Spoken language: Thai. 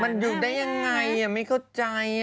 มันอยู่ได้ยังไงไม่เข้าใจ